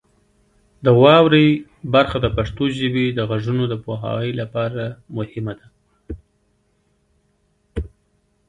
د واورئ برخه د پښتو ژبې د غږونو د پوهاوي لپاره مهمه ده.